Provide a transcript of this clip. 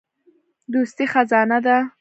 دوستي خزانه ده.